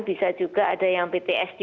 bisa juga ada yang ptsd